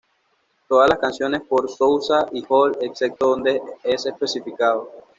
Todas las canciones por Souza Y Holt excepto donde es especificado.